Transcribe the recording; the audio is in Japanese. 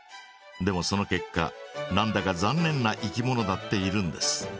でもその結果なんだかざんねんないきものだっているんです。